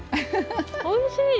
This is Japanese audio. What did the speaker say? おいしい！